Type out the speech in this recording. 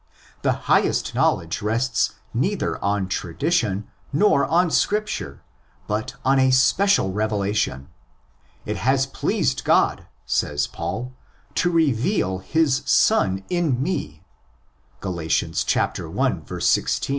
The highest knowledge rests neither on tradition nor on Scripture, but on a special revelation. It has pleased God, says Paul, "10 reveal his Son in me" (ἀποκαλύψαι τὸν υἱὸν αὐτοῦ ἐν ἐμοί, Gal. 1.